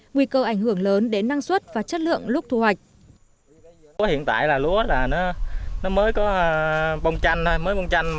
nguy cơ ảnh hưởng lớn đến năng suất và chất lượng lúc thu hoạch